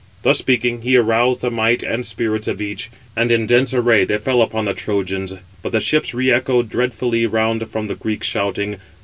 Thus speaking, he aroused the might and spirits of each: and in dense array they fell upon the Trojans: but the ships re echoed dreadfully around from the Greeks shouting.